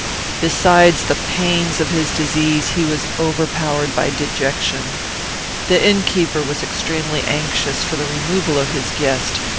Besides the pains of his disease, he was overpowered by dejection. The innkeeper was extremely anxious for the removal of his guest.